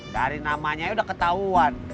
dari namanya udah ketahuan